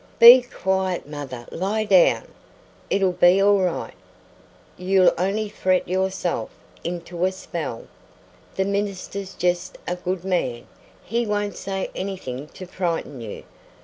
"Be quiet, mother! Lie down! It'll be all right! You'll only fret yourself into a spell! The minister's just a good man; he won't say anything to frighten you.